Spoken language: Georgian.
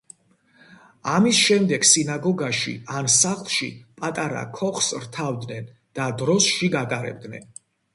ამის შემდეგ სინაგოგაში ან სახლში პატარა ქოხს რთავდნენ და დროს შიგ ატარებდნენ.